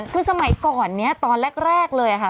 คือสมัยก่อนนี้ตอนแรกเลยค่ะ